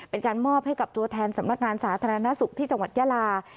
เป็นการมอบให้กับตัวแทนสำนักงานสาธารณสุขที่จังหวัดยาลา